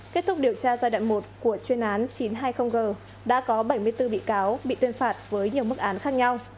kết thúc điều tra giai đoạn một của chuyên án chín trăm hai mươi g đã có bảy mươi bốn bị cáo bị tuyên phạt với nhiều mức án khác nhau